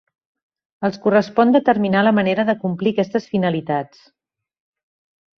Els correspon determinar la manera d'acomplir aquestes finalitats.